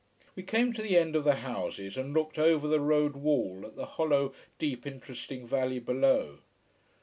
We came to the end of the houses and looked over the road wall at the hollow, deep, interesting valley below.